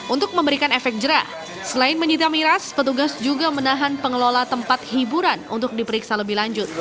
untuk memberikan efek jerah selain menyita miras petugas juga menahan pengelola tempat hiburan untuk diperiksa lebih lanjut